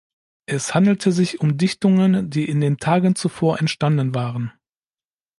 Es handelte sich um Dichtungen, die in den Tagen zuvor entstanden waren.